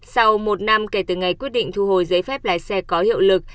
sau một năm kể từ ngày quyết định thu hồi giấy phép lái xe có hiệu lực